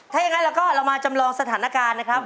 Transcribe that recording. ถ้าอย่างนั้นเราก็เรามาจำลองสถานการณ์นะครับ